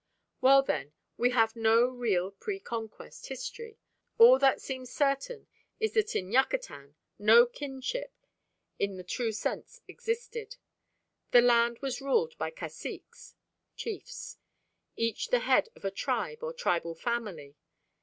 Well then, we have no real pre Conquest history. All that seems certain is that in Yucatan no kingship in the true sense existed. The land was ruled by caciques (chiefs), each the head of a tribe or tribal family.